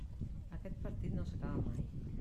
Aquest partit no s'acaba mai.